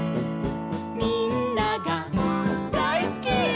「みんながだいすき！」